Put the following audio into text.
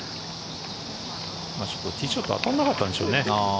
ちょっとティーショットが当たらなかったんでしょうね。